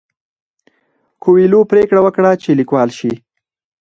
کویلیو پریکړه وکړه چې لیکوال شي.